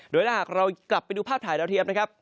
โดยถ้าหากเรากลับไปดูภาพถ่ายดาวเทียมนะครับ